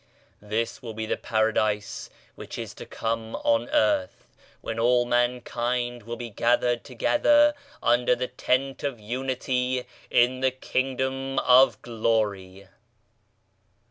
This will be the Paradise which is to come on earth, when all mankind will be gathered together under the Tent of Unity in the Kingdom of Glory.